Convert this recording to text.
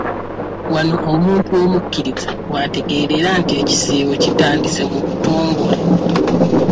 Wano omuntu omukkiriza w'ategeerera nti ekisiibo kitandise mu butongole.